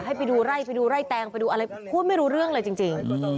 ให้ไปดูไล่ไปดูไล่แตงไปดูอะไรพูดไม่รู้เรื่องเลยจริง